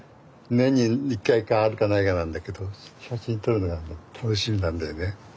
年に１回かあるかないかなんだけど写真撮るのが楽しみなんだよね。